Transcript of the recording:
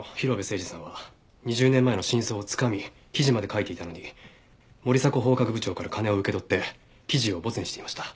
誠児さんは２０年前の真相をつかみ記事まで書いていたのに森迫法学部長から金を受け取って記事をボツにしていました。